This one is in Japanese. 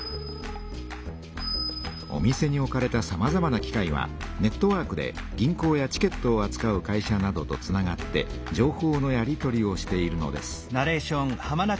お店に置かれたさまざまな機械はネットワークで銀行やチケットをあつかう会社などとつながって情報のやり取りをしているのです。